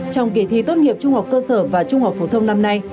trong kỳ thi tốt nghiệp trung học cơ sở và trung học phổ thông năm nay